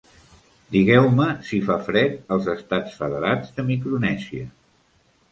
Digueu-me si fa fred als Estats Federats de Micronèsia.